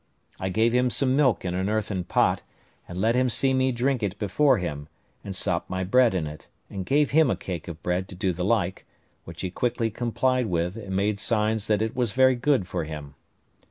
I gave him some milk in an earthen pot, and let him see me drink it before him, and sop my bread in it; and gave him a cake of bread to do the like, which he quickly complied with, and made signs that it was very good for him.